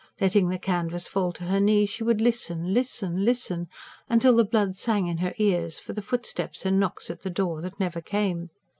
Letting the canvas fall to her knee, she would listen, listen, listen till the blood sang in her ears, for the footsteps and knocks at the door that never came.